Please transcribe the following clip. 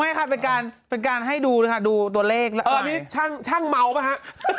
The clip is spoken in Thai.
ไม่ค่ะเป็นการเป็นการให้ดูเลยค่ะดูตัวเลขเออนี่ช่างช่างเมาป่ะฮะ